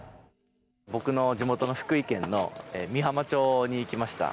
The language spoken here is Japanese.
僕の地元の福井県の美浜町に来ました。